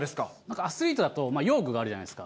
アスリートだと用具があるじゃないですか。